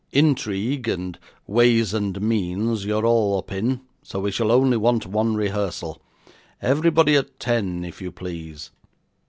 Intrigue, and Ways and Means, you're all up in, so we shall only want one rehearsal. Everybody at ten, if you please.